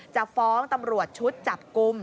จะฟ้องตำรวจชุดจับกลุ่ม